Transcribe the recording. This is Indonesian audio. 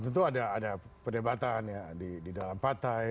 tentu ada perdebatan ya di dalam partai